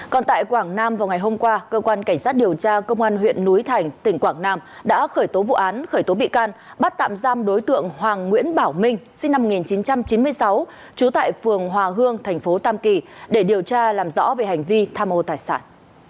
còn tại quảng nam vào ngày hôm qua cơ quan cảnh sát điều tra công an huyện núi thành tỉnh quảng nam đã khởi tố vụ án khởi tố bị can bắt tạm giam đối tượng hoàng nguyễn bảo minh sinh năm một nghìn chín trăm chín mươi sáu trú tại phường hòa hương thành phố tam kỳ để điều tra làm rõ về hành vi tham mô tài sản